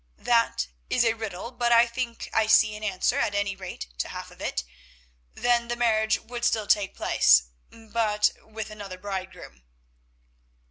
"That is a riddle, but I think I see an answer at any rate to half of it. Then the marriage would still take place, but with another bridegroom."